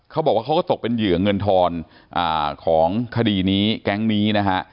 เขาบอกว่าเขาก็ตกเป็นเหยื่อเงินทอนของคดีนี้แก๊งนี้นะฮะ